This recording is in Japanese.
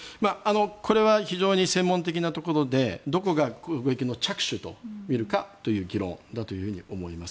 これは非常に専門的なところでどこが攻撃の着手とみるかという議論だと思います。